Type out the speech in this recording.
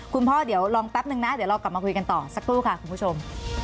คุณพ่อเดี๋ยวลองแป๊บนึงนะเดี๋ยวเรากลับมาคุยกันต่อสักครู่ค่ะคุณผู้ชม